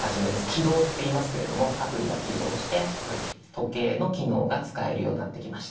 起動っていいますけれどもアプリが起動して時計の機能が使えるようになってきました。